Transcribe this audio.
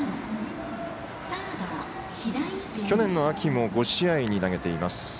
去年の秋も５試合に投げています。